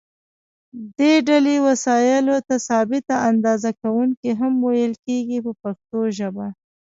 دې ډلې وسایلو ته ثابته اندازه کوونکي هم ویل کېږي په پښتو ژبه.